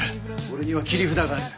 俺には切り札がある。